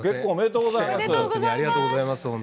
おめでとうございます。